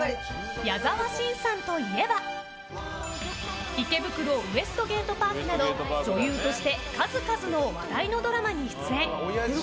矢沢心さんといえば「池袋ウエストゲートパーク」など女優として数々の話題のドラマに出演。